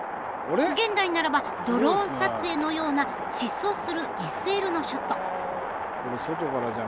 現代ならばドローン撮影のような疾走するＳＬのショット。